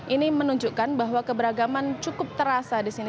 ini menunjukkan bahwa keberagaman cukup terasa disini